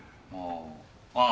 ああ。